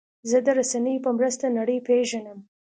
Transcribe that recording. زه د رسنیو په مرسته نړۍ پېژنم.